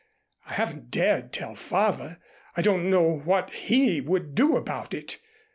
I haven't dared tell father. I don't know what he would do about it.